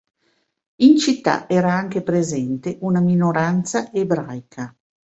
In città era anche presente una minoranza ebraica.